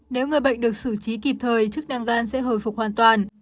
nếu người bệnh được xử trí kịp thời chức năng gan sẽ hồi phục hoàn toàn